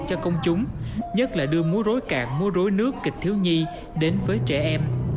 cho công chúng nhất là đưa múa rối cạn múa rối nước kịch thiếu nhi đến với trẻ em